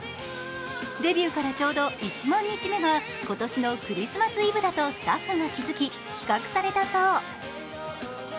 デビューからちょうど１万日目が今年のクリスマスイブだとスタッフが気づき企画されたそう。